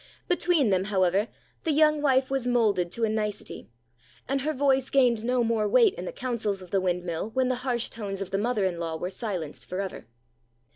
Between them, however, the young wife was moulded to a nicety, and her voice gained no more weight in the counsels of the windmill when the harsh tones of the mother in law were silenced for ever.